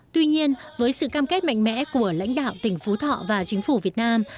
tuy nhiên với sự cam kết mạnh mẽ của lãnh đạo tỉnh phú thọ và chính phủ việt nam